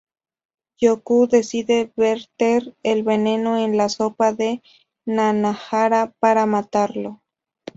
Yuko decide verter el veneno en la sopa de Nanahara para matarlo.